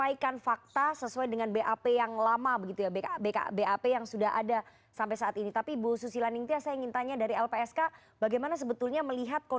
ini perlu dukungan dari publik